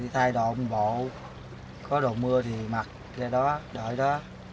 thay đồ một bộ có đồ mưa thì mặc đợi đó